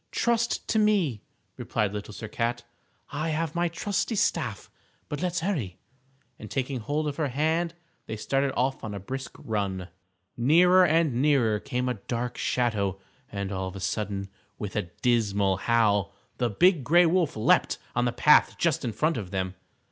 "Trust to me," replied Sir Cat, "I have my trusty staff. But let's hurry," and taking hold of her hand they started off on a brisk run. Nearer and nearer came a dark shadow, and all of a sudden, with a dismal howl, the Big Gray Wolf leaped on the path just in front of them.